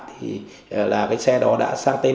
thì là cái xe đó đã sang tên